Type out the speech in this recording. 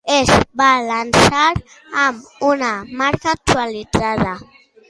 Es va llançar amb una marca actualitzada.